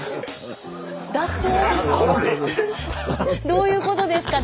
どういうことですか？